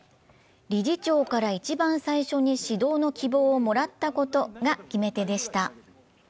理事長から一番最初に指導の希望をもらったことが決めてでした。